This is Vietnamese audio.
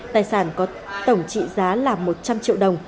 tài sản có tổng trị giá là một trăm linh triệu đồng